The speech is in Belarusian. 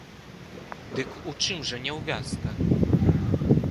Дык у чым жа няўвязка?